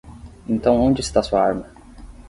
Então onde está sua arma?